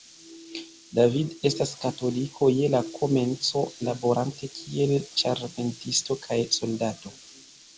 David estis katoliko je la komenco, laborante kiel ĉarpentisto kaj soldato.